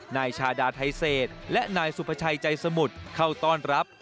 นายชาดาไทเศษและนายสุภาชัยใจสมุทรเข้าต้อนรับ